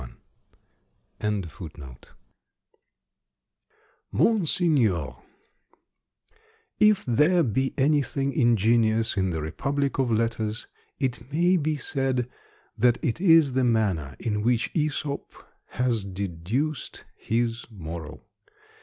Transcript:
DEDICATION TO MONSEIGNEUR THE DAUPHIN MONSEIGNEUR, If there be anything ingenious in the republic of letters, it may be said that it is the manner in which Æsop has deduced his moral.